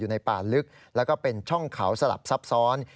ในป่าลึกแล้วก็เป็นช่องเขาสลับซับซ้อน